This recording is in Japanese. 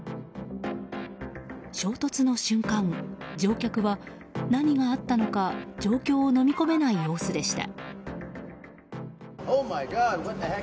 衝突の瞬間、乗客は何があったのか状況をのみ込めない様子でした。